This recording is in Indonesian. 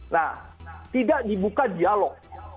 nah tidak dibuka dialog